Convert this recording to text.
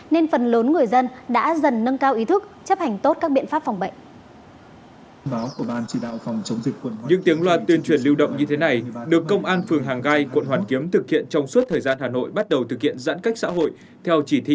nên phần lớn người dân đã dần nâng cao ý thức chấp hành tốt các biện pháp phòng bệnh